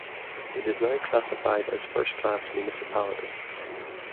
It is now classified as first class municipality.